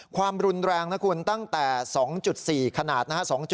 ความรุนแรงตั้งแต่๒๔ขนาด๒๔